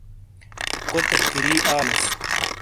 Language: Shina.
کوتے پھِیری آلوس۔